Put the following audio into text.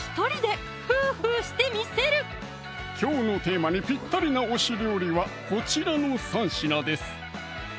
きょうのテーマにぴったりな推し料理はこちらの３品です